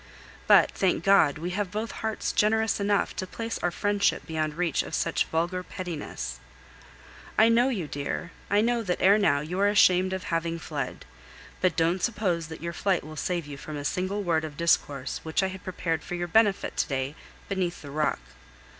But, thank God, we have both hearts generous enough to place our friendship beyond reach of such vulgar pettiness. I know you, dear; I know that, ere now, you are ashamed of having fled. But don't suppose that your flight will save you from a single word of discourse which I had prepared for your benefit to day beneath the rock.